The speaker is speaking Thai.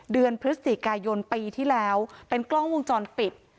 เดือนพฤศจิกายนปีที่แล้วเป็นกล้องวงจรปิด